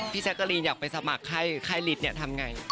พี่แซคการีนอยากไปสมัครไข้ฤทธิ์เนี่ยทำไง